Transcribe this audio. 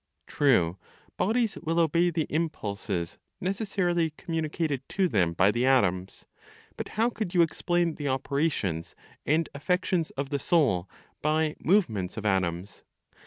True, bodies will obey the impulses necessarily communicated to them by the atoms; but how could you explain the operations and affections of the soul by movements of atoms?